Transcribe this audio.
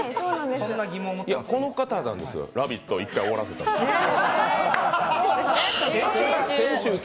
いや、この方なんですよ、「ラヴィット！」を１回終わらせたんは。